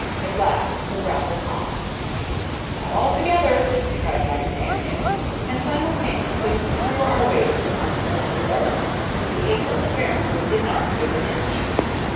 At last the grapple caught. "Now, all together!" cried my companion, and simultaneously we threw our weight upon the slender rope. The anchor apparently did not give an inch.